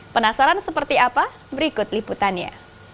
penasaran seperti apa berikut liputannya